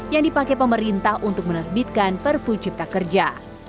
yang dipakai pemerintah untuk menerbitkan perpu cipta kerja